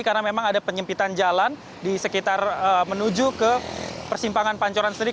karena memang ada penyempitan jalan di sekitar menuju ke persimpangan pancoran sendiri